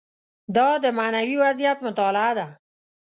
دا د معنوي وضعیت مطالعه ده.